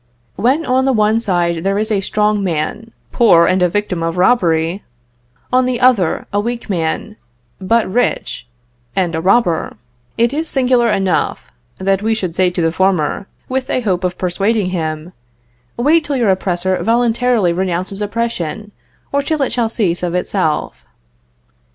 When on the one side there is a strong man, poor, and a victim of robbery on the other, a weak man, but rich, and a robber it is singular enough, that we should say to the former, with a hope of persuading him, "Wait till your oppressor voluntarily renounces oppression, or till it shall cease of itself."